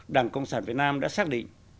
đảng cộng sản việt nam đã xác định